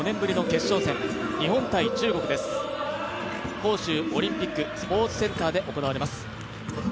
杭州オリンピックスポーツセンターで行われます。